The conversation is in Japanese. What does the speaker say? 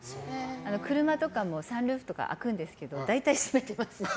車とかもサンルーフとか開くんですけど大体、閉めてますね。